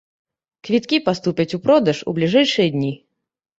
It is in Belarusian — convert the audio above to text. Квіткі паступяць у продаж у бліжэйшыя дні.